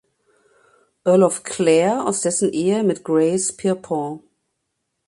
Earl of Clare aus dessen Ehe mit Grace Pierrepont.